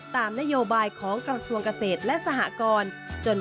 ตามนโยบายของกระทรวงเกษตรและสหกร